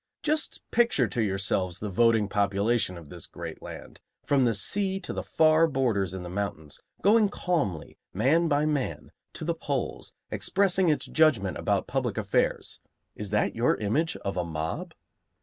Just picture to yourselves the voting population of this great land, from the sea to the far borders in the mountains, going calmly, man by man, to the polls, expressing its judgment about public affairs: is that your image of "a mob?"